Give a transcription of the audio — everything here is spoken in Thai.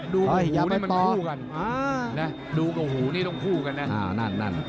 ดูข่าวหัวนี่มันคู่กัน